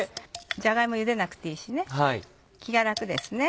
じゃが芋ゆでなくていいしね気が楽ですね。